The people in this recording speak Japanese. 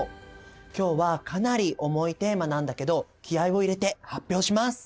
今日はかなり重いテーマなんだけど気合いを入れて発表します。